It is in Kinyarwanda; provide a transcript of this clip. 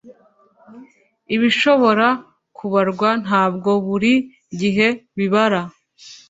ibishobora kubarwa ntabwo buri gihe bibara.